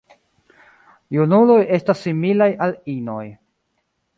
Junuloj estas similaj al inoj.